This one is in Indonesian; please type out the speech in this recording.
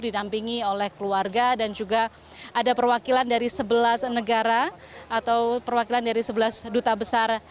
didampingi oleh keluarga dan juga ada perwakilan dari sebelas negara atau perwakilan dari sebelas duta besar